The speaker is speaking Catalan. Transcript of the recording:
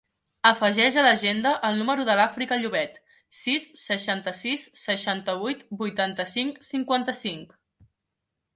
Afegeix a l'agenda el número de l'Àfrica Llobet: sis, seixanta-sis, seixanta-vuit, vuitanta-cinc, cinquanta-cinc.